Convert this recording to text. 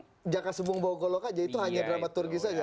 jadi jaka subung bawogoloka aja itu hanya dramaturgi saja